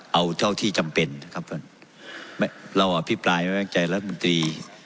เอาเท่าที่จำเป็นครับเราพี่ปลายไม่แม่งใจรัฐบิที